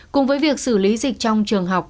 cùng với việc xử lý dịch trong trường học